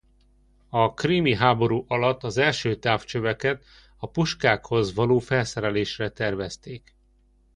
A krími háború alatt az első távcsöveket a puskákhoz való felszerelésre tervezték.